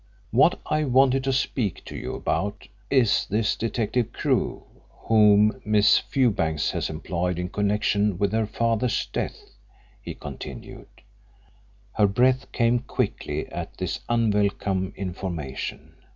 "What I wanted to speak to you about is this detective Crewe whom Miss Fewbanks has employed in connection with her father's death," he continued. Her breath came quickly at this unwelcome information.